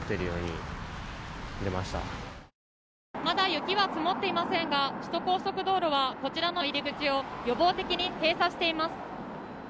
まだ雪は積もっていませんが首都高速道路はこちらの入り口を予防的に閉鎖しています